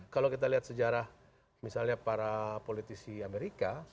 kalau kita lihat sejarah misalnya para politisi amerika